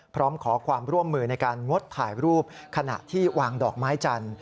พร้อมขอความร่วมมือในการงดถ่ายรูปขณะที่วางดอกไม้จันทร์